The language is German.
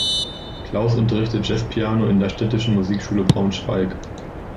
Claus unterrichtet Jazzpiano in der Städtischen Musikschule Braunschweig.